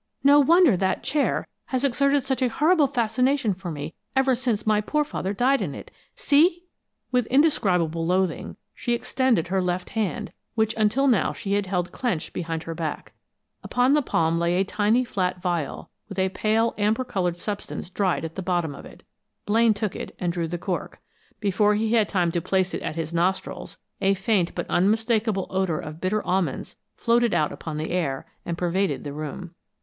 No wonder that chair has exerted such a horrible fascination for me ever since my poor father died in it. See!" With indescribable loathing, she extended her left hand, which until now she had held clenched behind her. Upon the palm lay a tiny flat vial, with a pale, amber colored substance dried in the bottom of it. Blaine took it and drew the cork. Before he had time to place it at his nostrils, a faint but unmistakable odor of bitter almonds floated out upon the air and pervaded the room.